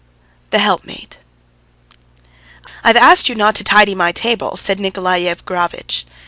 THE HELPMATE "I'VE asked you not to tidy my table," said Nikolay Yevgrafitch.